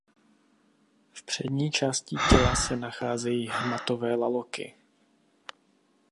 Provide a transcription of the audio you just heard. V přední části těla se nacházejí hmatové laloky.